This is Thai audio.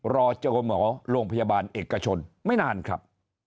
รอเจอหมอโรงพยาบาลเอกชนไม่นานครับ